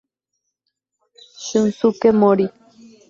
Shunsuke Mori